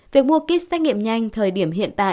việc mua kích xét nghiệm nhanh thời điểm hiện tại